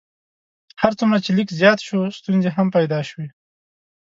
هر څومره چې لیک زیات شو ستونزې هم پیدا شوې.